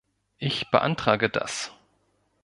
Ich beantrage das.